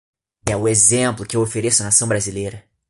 É o exemplo que eu ofereço à Nação brasileira.